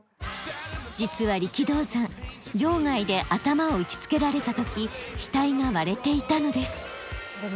実は力道山場外で頭を打ちつけられたとき額が割れていたのです。